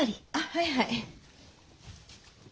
はいはい。